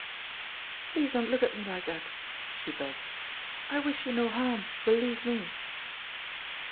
"Please don't look at me like that," she begged. "I wish you no harm, believe me!"